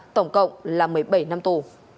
tổng cộng là một mươi bảy năm tù